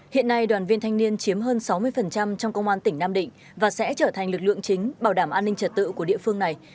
hiện nay đoàn viên thanh niên chiếm hơn sáu mươi trong công an tỉnh nam định và sẽ trở thành lực lượng chính bảo đảm an ninh trật tự của địa phương này